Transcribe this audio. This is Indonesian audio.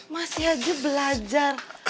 masih aja belajar